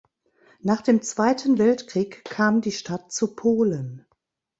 Nach dem Zweiten Weltkrieg kam die Stadt zu Polen.